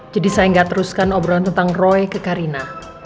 jadi saya gak teruskan obrolan tentang roy ke karina